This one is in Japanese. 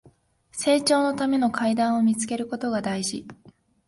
成長のための階段を見つけることが大事